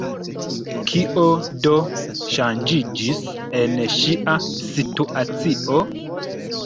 Kio do ŝanĝiĝis en ŝia situacio?